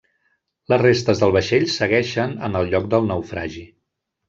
Les restes del vaixell segueixen en el lloc del naufragi.